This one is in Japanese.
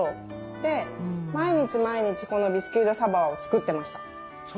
で毎日毎日このビスキュイ・ド・サヴォワを作ってました。